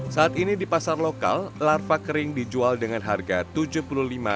saat ini di pasar lokal larva kering dijual dengan harga rp tujuh puluh lima rp tujuh puluh lima